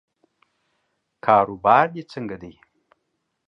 کاروبار دې څنګه دی؟